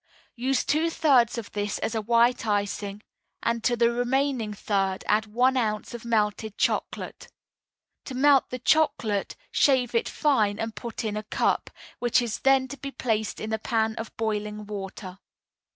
Use two thirds of this as a white icing, and to the remaining third add one ounce of melted chocolate. To melt the chocolate, shave it fine and put in a cup, which is then to be placed in a pan of boiling water.